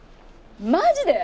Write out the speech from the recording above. マジで？